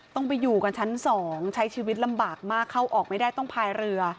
ต้องไปอยู่กันชั้น๒ใช้ชีวิตลำบากมากเข้าออกไม่ได้ต้องพายเรือ